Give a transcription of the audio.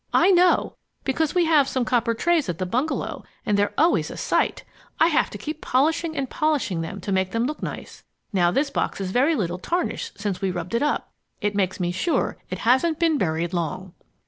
I know, because we have some copper trays at the bungalow and they're always a sight! I have to keep polishing and polishing them to make them look nice. Now this box is very little tarnished since we rubbed it up. It makes me sure it hasn't been buried long."